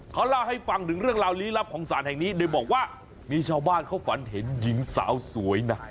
เขาเล่าให้ฟังถึงเรื่องราวลี้ลับของสารแห่งนี้โดยบอกว่ามีชาวบ้านเขาฝันเห็นหญิงสาวสวยนะ